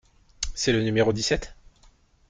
C’est le numéro dix-sept ?